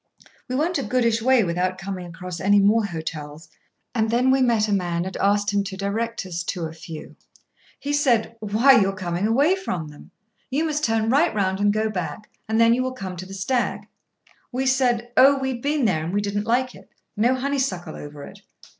We went a goodish way without coming across any more hotels, and then we met a man, and asked him to direct us to a few. He said: "Why, you are coming away from them. You must turn right round and go back, and then you will come to the Stag." We said: "Oh, we had been there, and didn't like it—no honeysuckle over it."